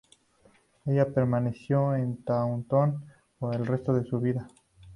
Ella permaneció en Taunton por el resto de su vida.